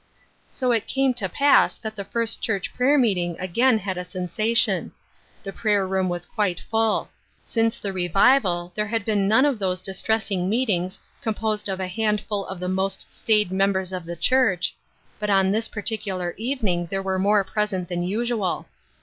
So it came to pass that the First Church prayer meeting again had a sensation. The prayer room was quite full. Since the revival there had been none of those distressing meet ings composed of a handful of the most staid members of the church, but on this particular evening there were more present than usual.